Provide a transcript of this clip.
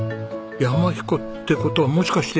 山ひこって事はもしかして。